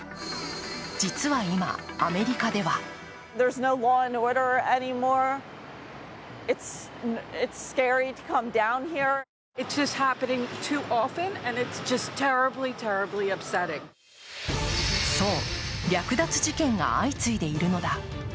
実は今、アメリカではそう、略奪事件が相次いでいるのだ。